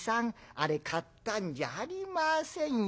あれ買ったんじゃありませんよ。